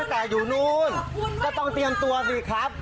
แต่อยู่นู้นก็ต้องเตรียมตัวสิครับ